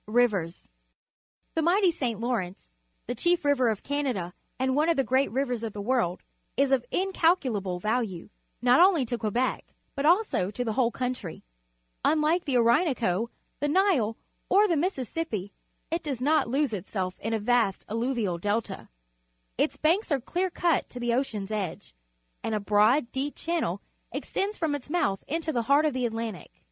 Rivers. — The mighty St. Lawrence, the chief river of Canada and one of the great rivers of the world, is of incalculable value, not only to Quebec but also to the whole country. L^nlike the Orinoco, the Nile, or A Section of the Harbour, Montreal the Mississippi, it does not lose itself in a vast alluvial delta. Its banks are clear cut to the ocean's edge, and a broad, deep channel extends from its mouth into the heart of the Atlantic.